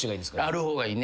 ある方がいいね。